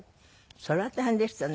それは大変でしたね。